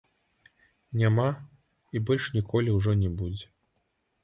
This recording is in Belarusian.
Няма і больш ніколі ўжо не будзе.